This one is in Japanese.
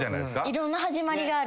いろんな始まりがある。